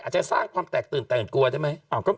จะสร้างความแตกตื่นแต่งกลัวได้ไหม